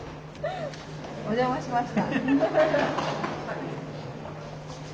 お邪魔しました。